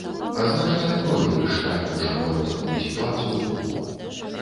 Азначае пройгрыш трапіўшага ў такую сітуацыю боку.